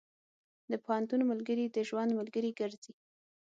د پوهنتون ملګري د ژوند ملګري ګرځي.